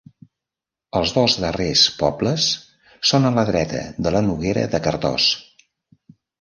Els dos darrers pobles són a la dreta de la Noguera de Cardós.